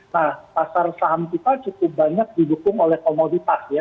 nah pasar saham kita cukup banyak didukung oleh komoditas ya